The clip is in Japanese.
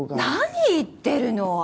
何言ってるの！